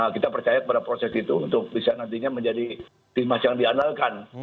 kita percaya pada proses itu untuk bisa nantinya menjadi timnas yang diandalkan